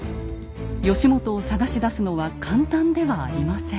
義元を捜し出すのは簡単ではありません。